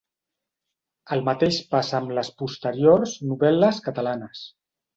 El mateix passa amb les posteriors novel·les catalanes.